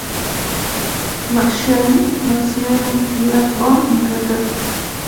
McShane nació en Blackburn, Inglaterra.